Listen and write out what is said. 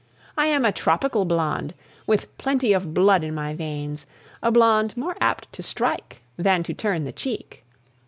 I am a tropical blonde, with plenty of blood in my veins, a blonde more apt to strike than to turn the cheek.